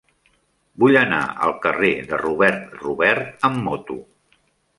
Vull anar al carrer de Robert Robert amb moto.